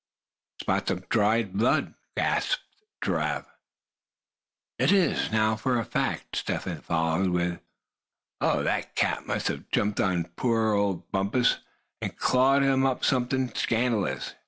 "Spots of dried blood!" gasped Giraffe. "It is, now, for a fact," Step Hen followed with, "Oh! that cat must have jumped on poor old Bumpus, and clawed him up something scandalous.